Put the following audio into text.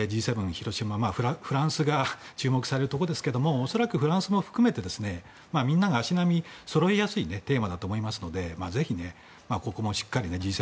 広島、フランスが注目されるところですけど恐らくフランスも含めみんなが足並みをそろえやすいテーマだと思いますのでぜひ、ここもしっかりとＧ７